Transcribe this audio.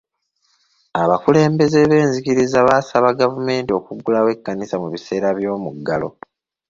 Abakulembeze b'enzikiriza baasaba gavumenti okuggulawo ekkanisa mu biseera by'omuggalo.